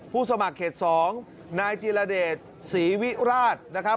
สมัครเขต๒นายจิรเดชศรีวิราชนะครับ